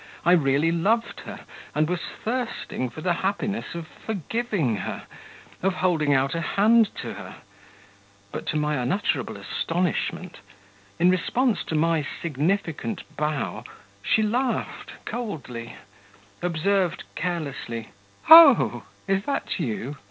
I really loved her and was thirsting for the happiness of forgiving her, of holding out a hand to her; but to my unutterable astonishment, in response to my significant bow, she laughed coldly, observed carelessly, 'Oh, is that you?'